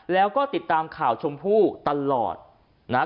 แล้วก็ติดตามข่าวชมพู่ตลอดนะฮะ